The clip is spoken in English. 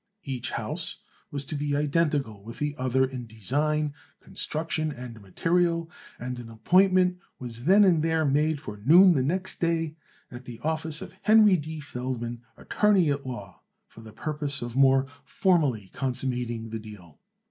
Each house was to be identical with the other in design, construction and material, and an appointment was then and there made for noon the next day at the office of Henry D. Feldman, attorney at law, for the purpose of more formally consummating the deal.